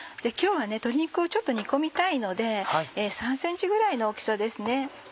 今日は鶏肉をちょっと煮込みたいので３ｃｍぐらいの大きさですね